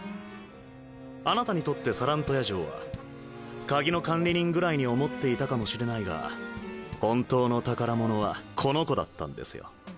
あなたにとってサラントヤ嬢は鍵の管理人ぐらいに思っていたかもしれないが本当の宝物はこの子だったんですよ。